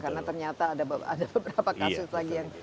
karena ternyata ada beberapa kasus lagi yang